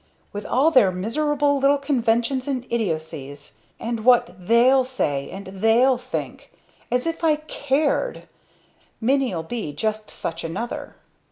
"With all their miserable little conventions and idiocies! And what 'they'll say,' and 'they'll think'! As if I cared! Minnie'll be just such another!"